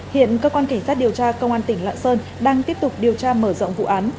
hiện cơ quan kỳ sát điều tra cơ quan tỉnh lạng sơn đang tiếp tục điều tra mở rộng vụ án